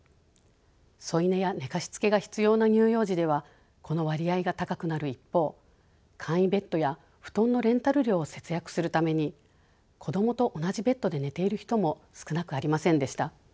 添い寝や寝かしつけが必要な乳幼児ではこの割合が高くなる一方簡易ベッドや布団のレンタル料を節約するために子どもと同じベッドで寝ている人も少なくありませんでした。